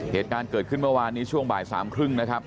เหตุการณ์เกิดขึ้นเมื่อวานนี้ช่วงบ่ายสามครึ่งนะครับ